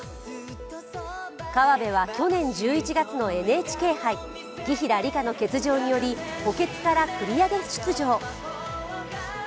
河辺は去年１１月のＮＨＫ杯、紀平梨花の欠場により補欠から繰り上げ出場。